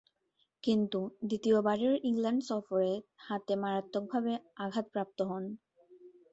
কিন্তু, দ্বিতীয়বারের ইংল্যান্ড সফরে হাতে মারাত্মকভাবে আঘাতপ্রাপ্ত হন।